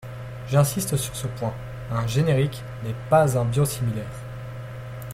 J’insiste sur ce point : un générique n’est pas un biosimilaire.